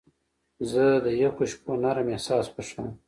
زه د یخو شپو نرم احساس خوښوم.